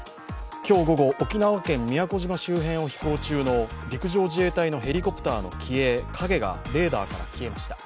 今日午後、沖縄県宮古島周辺を飛行中の陸上自衛隊のヘリコプターの機影がレーダーから消えました。